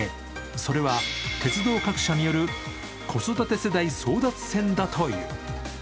それは鉄道各社による子育て世代争奪戦だという。